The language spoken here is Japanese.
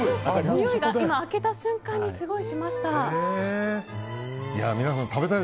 においが今開けた瞬間にしました。